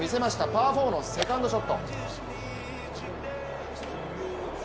パー４のセカンドショット。